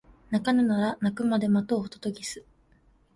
鳴かぬなら鳴くまで待とうホトトギス